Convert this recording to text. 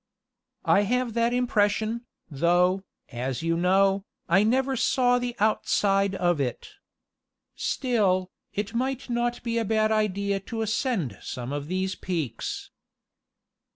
"I have that impression, though, as you know, I never saw the outside of it. Still, it might not be a bad idea to ascend some of these peaks."